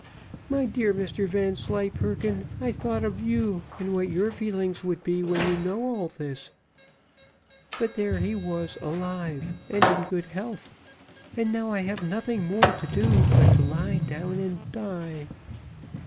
My dear Mr Vanslyperken, I thought of you, and what your feelings would be, when you know all this; but there he was alive, and in good health, and now I have nothing more to do but to lie down and die.